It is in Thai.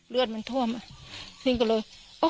เลือดมันท่วมนิ่งก็เลย